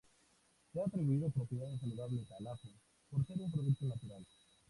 Se han atribuido propiedades saludables al ajo por ser un producto "natural".